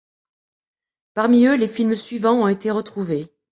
Parmi eux, les films suivants ont été retrouvés.